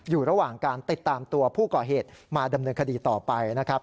อยู่ระหว่างการติดตามตัวผู้ก่อเหตุมาดำเนินคดีต่อไปนะครับ